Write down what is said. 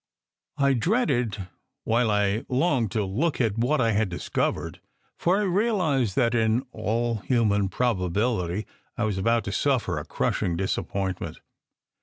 I dreaded while I longed to look at what I had discovered: for I realized that in all human probability I was about to suffer a crushing disappointment.